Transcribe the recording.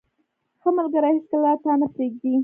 • ښه ملګری هیڅکله تا نه پرېږدي.